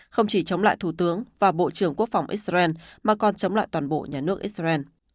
không chỉ chống lại thủ tướng và bộ trưởng quốc phòng israel mà còn chống lại toàn bộ nhà nước israel